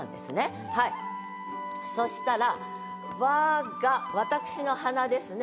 そしたら「我が」私の鼻ですね。